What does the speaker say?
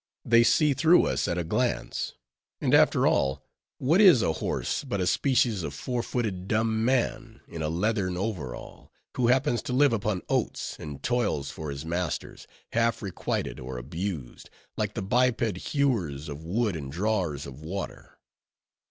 They see through us at a glance. And after all, what is a horse but a species of four footed dumb man, in a leathern overall, who happens to live upon oats, and toils for his masters, half requited or abused, like the biped hewers of wood and drawers of water?